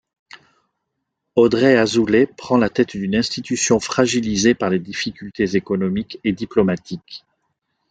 Audrey Azoulay prend la tête d'une institution fragilisée par des difficultés économiques et diplomatiques.